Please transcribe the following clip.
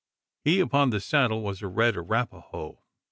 He upon the saddle was a red Arapaho.